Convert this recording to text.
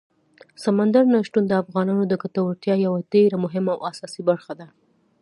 سمندر نه شتون د افغانانو د ګټورتیا یوه ډېره مهمه او اساسي برخه ده.